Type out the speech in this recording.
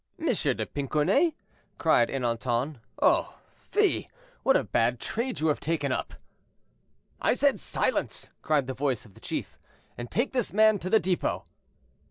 de Pincornay!" cried Ernanton. "Oh, fie; what a bad trade you have taken up." "I said silence," cried the voice of the chief; "and take this man to the depot."